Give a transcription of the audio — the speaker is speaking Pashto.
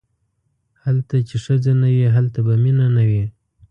هلته چې ښځه نه وي هلته به مینه نه وي.